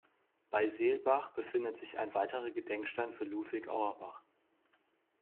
Bei Seelbach befindet sich ein weiterer Gedenkstein für Ludwig Auerbach.